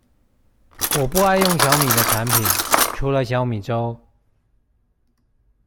我不愛用小米的產品，除了小米粥